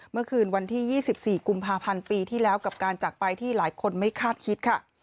เมื่อคืนวันที่๒๔กุมภาพันธ์ปีที่แล้วกับการจากไปที่หลายคนไม่คาดคิดค่ะ